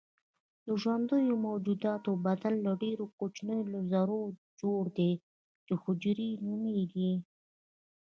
د ژوندیو موجوداتو بدن له ډیرو کوچنیو ذرو جوړ دی چې حجره نومیږي